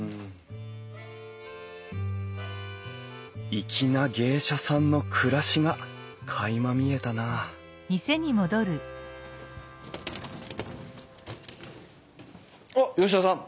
粋な芸者さんの暮らしがかいま見えたなおっ吉田さん！